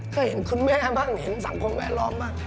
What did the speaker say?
เคยเห็นคุณแม่บ้างเห็นสังคมแวดล้อมบ้าง